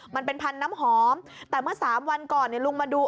มันเป็นพันธุ์น้ำหอมแต่เมื่อ๓วันก่อนลุงมาดู